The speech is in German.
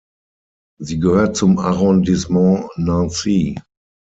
Sie gehört zum Arrondissement Nancy.